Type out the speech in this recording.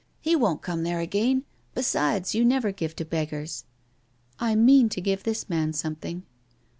" He won't come there again. Besides, you never give to beggars." " I mean to give this man something."